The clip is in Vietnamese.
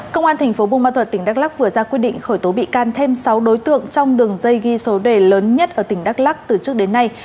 công an thành phố bùa ma thuật tỉnh đắk lắc vừa ra quyết định khởi tố bị can thêm sáu đối tượng trong đường dây ghi số đề lớn nhất ở tỉnh đắk lắc từ trước đến nay